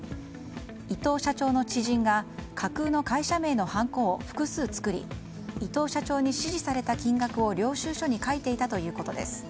伊藤社長の知人が架空の会社名のはんこを複数作り伊藤社長に指示された金額を領収書に書いていたということです。